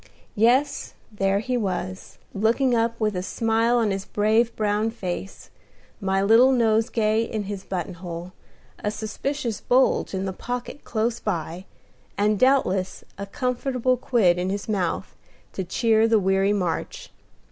Yes, there he was, looking up, with a smile on his brave brown face, my little nosegay in his button hole, a suspicious bulge in the pocket close by, and doubtless a comfortable quid in his mouth, to cheer the weary march.